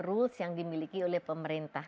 rules yang dimiliki oleh pemerintah